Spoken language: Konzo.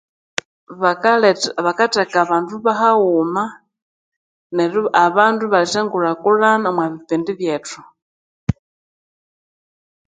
Bakaletha bakatheka abandu bahaghuma abandu ibaletha enhulhakulhana omwa bipindi byethu